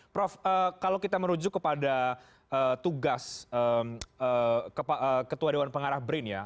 prof kalau kita merujuk kepada tugas ketua dewan pengarah brin ya